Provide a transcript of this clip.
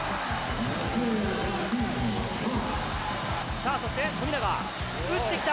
さあそして富永、打ってきた。